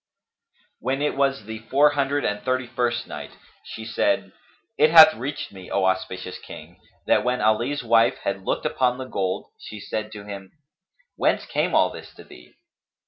When it was the Four Hundred and Thirty first Night, She said, It hath reached me, O auspicious King, that when Ali's wife had looked upon the gold she said to him, "Whence came all this to thee?"